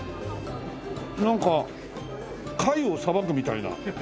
なんか貝をさばくみたいな。